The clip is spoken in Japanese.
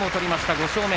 ５勝目。